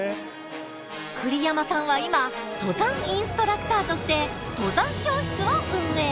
栗山さんは今登山インストラクターとして登山教室を運営。